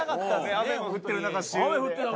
雨も降ってる中